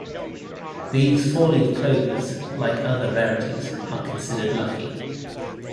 These four-leaf clovers, like other rarities, are considered lucky.